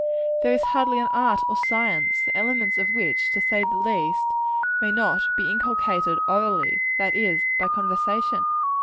There is hardly an art or a science, the elements of which, to say the least, may not be inculcated orally; that is, by conversation.